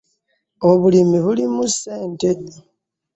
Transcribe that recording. Obulimi bulimu ssente.